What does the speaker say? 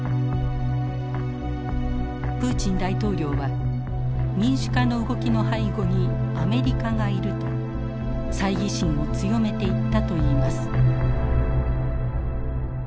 プーチン大統領は民主化の動きの背後にアメリカがいると猜疑心を強めていったといいます。